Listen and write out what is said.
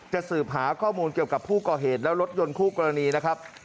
สืบหาข้อมูลเกี่ยวกับผู้ก่อเหตุและรถยนต์คู่กรณีนะครับ